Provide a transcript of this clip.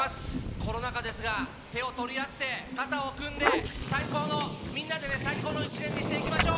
コロナ禍ですが手を取り合って、肩を組んで、最高のみんなで最高の１年にしていきましょう。